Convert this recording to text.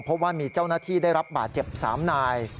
เพราะว่ามีเจ้าหน้าที่ได้รับบาดเจ็บ๓นาย